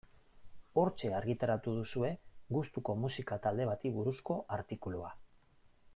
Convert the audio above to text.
Hortxe argitaratu duzue gustuko musika talde bati buruzko artikulua.